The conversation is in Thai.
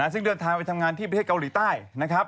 ซึ่งเดินทางไปทำงานที่ประเทศเกาหลีใต้นะครับ